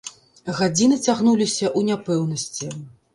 Гадзіны цягнуліся ў няпэўнасці.